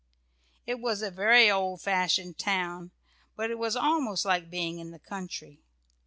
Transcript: It was a very old fashioned little town, but it was almost like being in the country.